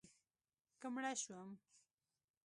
که مړه شوم